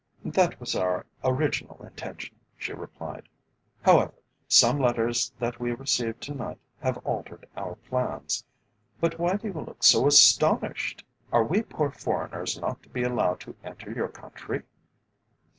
"That was our original intention," she replied. "However, some letters that we received to night have altered our plans. But why do you look so astonished? Are we poor foreigners not to be allowed to enter your country?"